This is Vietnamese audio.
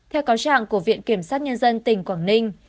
theo cáo trạng của viện kiểm sát nhân dân tỉnh quảng ninh